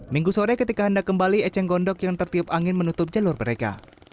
minggu sore ketika hendak kembali eceng gondok yang tertiup angin menutup jalur mereka